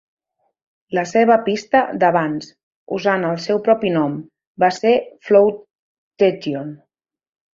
La seva pista d'avanç, usant el seu propi nom, va ser "Flowtation".